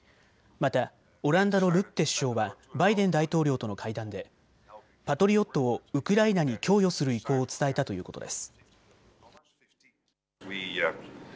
またオランダのルッテ首相はバイデン大統領との会談でパトリオットをウクライナに供与する意向を伝えたということです。